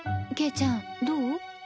ケイちゃんどう？